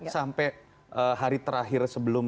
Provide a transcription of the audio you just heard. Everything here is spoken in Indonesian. sampai hari terakhir sebelum